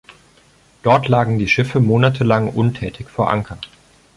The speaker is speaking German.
Dort lagen die Schiffe monatelang untätig vor Anker.